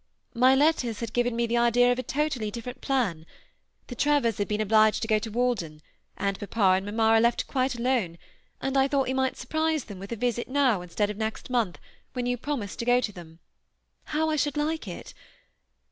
" My letters had given me the idea of a totally different plan. The Trevors have been obliged to go to Walden, and papa and mamma are left quite alone ; and I thought we might surprise them with a visit now, instead of next month, when you promised to go to them. How I should like it!